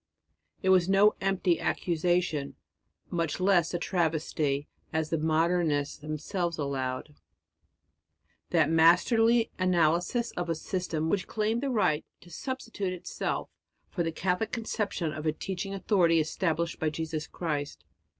It was no empty accusation, much less a travesty, as the Modernists themselves allowed, that masterly analysis of a system which claimed the right to substitute itself for the Catholic conception of a teaching authority established by Jesus Christ.